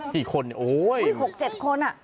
กี่คนโอ้วโอ้ยหกเจ็ดคนอะ